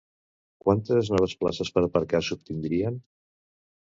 Quantes noves places per aparcar s'obtindrien?